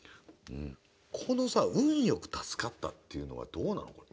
このさ「運よく助かった」っていうのはどうなのかね。